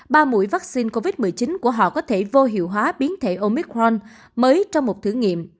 ba mũi vaccine covid một mươi chín của họ có thể vô hiệu hóa biến thể omicron mới trong một thử nghiệm